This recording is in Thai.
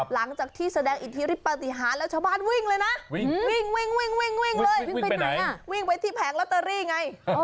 หลังจากที่แสดงอิทธิฤทธิปฏิหารแล้วชาวบ้านวิ่งเลยนะ